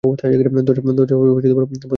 দরজা বন্ধ করে দাও।